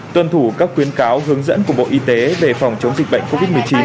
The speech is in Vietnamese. tuân thủ các khuyến cáo hướng dẫn của bộ y tế về phòng chống dịch bệnh covid một mươi chín